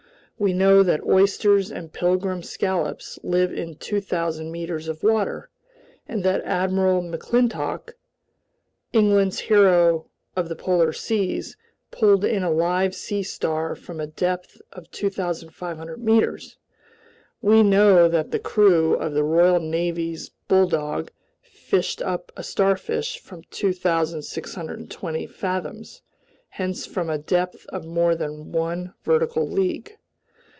We know that oysters and pilgrim scallops live in 2,000 meters of water, and that Admiral McClintock, England's hero of the polar seas, pulled in a live sea star from a depth of 2,500 meters. We know that the crew of the Royal Navy's Bulldog fished up a starfish from 2,620 fathoms, hence from a depth of more than one vertical league.